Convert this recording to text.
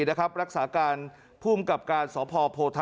หนูรักเหมือนลูกหมี่่อย